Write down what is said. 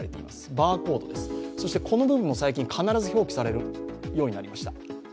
バーコード、そしてこの部分も必ず表記されるようになりました。